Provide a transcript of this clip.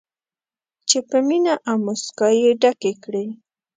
چې په مینه او موسکا یې ډکې کړي.